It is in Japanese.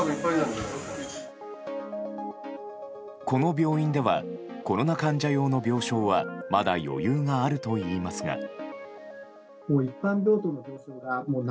この病院ではコロナ患者用の病床はまだ余裕があるといいますが。